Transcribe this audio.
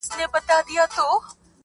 سپي به سمدستي ځغستل د هغه لور ته.!